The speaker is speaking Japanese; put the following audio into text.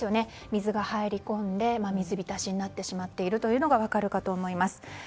水が入り込んで水浸しになってしまっているのが分かるかと思います。